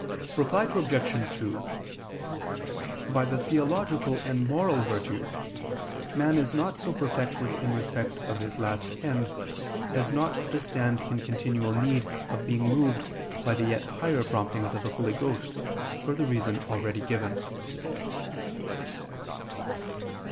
Reply Obj. 2: By the theological and moral virtues, man is not so perfected in respect of his last end, as not to stand in continual need of being moved by the yet higher promptings of the Holy Ghost, for the reason already given.